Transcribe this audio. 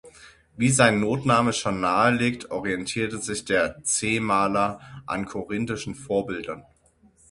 Wie sein Notname schon nahelegt, orientierte sich der C-Maler an korinthischen Vorbildern.